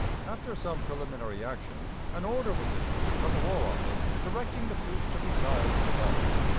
After some preliminary action, an order was issued from the War Office directing the troops to retire to the Valley.